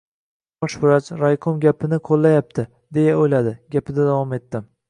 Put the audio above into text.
Bosh vrach, raykom gapimni qo‘llayapti, deya o‘yladi. Gapida davom etdi: